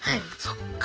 そっか。